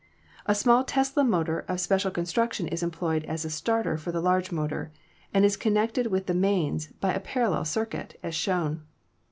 A small Tesla motor of special construction is employed as a starter for the large motor, and is connected with the mains by a parallel circuit, as shown.